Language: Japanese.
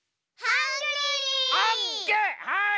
はい！